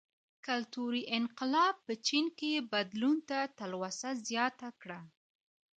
کلتوري انقلاب په چین کې بدلون ته تلوسه زیاته کړه.